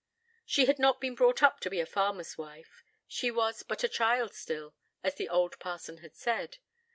She had not been brought up to be a farmer's wife: she was but a child still, as the old parson had said.